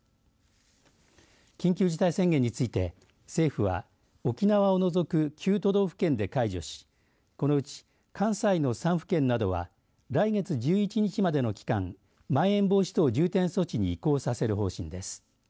緊急事態宣言について政府は沖縄を除く９都道府県で解除しこのうち、関西の３府県などは来月１１日までの期間まん延防止等重点措置に移行させる方針です。